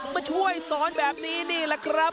มาช่วยสอนแบบนี้นี่แหละครับ